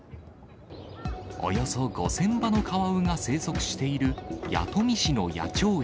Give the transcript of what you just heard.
およそ５０００羽のカワウが生息している、弥富市の野鳥園。